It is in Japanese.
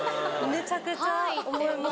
めちゃくちゃ思います。